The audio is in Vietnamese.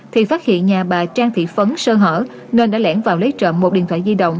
thì phát hiện nhà bà trang thị phấn sơ hở nên đã lẻn vào lấy trộm một điện thoại di động